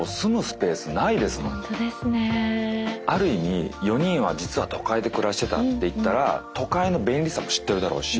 ある意味４人は実は都会で暮らしてたっていったら都会の便利さも知ってるだろうし。